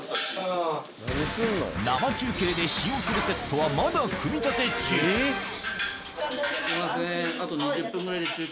生中継で使用するセットはまだ組み立て中すいませんあと。